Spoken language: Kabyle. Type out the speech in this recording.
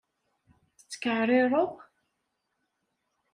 Tettkaɛrireḍ?